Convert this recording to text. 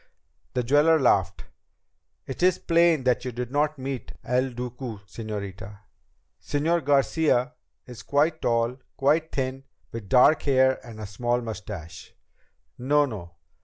The jeweler laughed. "It is plain that you did not meet El Duque, señorita. Señor Garcia is quite tall, quite thin, with dark hair and a small mustache. No, no.